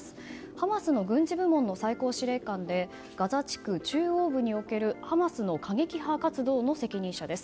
ハマスの軍事部門の最高司令官でガザ地区中央部におけるハマスの過激派活動の責任者です。